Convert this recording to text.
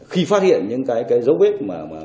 khi phát hiện những cái dấu vết